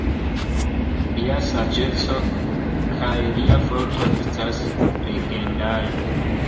Lia saĝeco kaj lia forto estas legendaj.